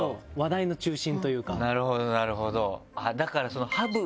なるほどなるほど！だから。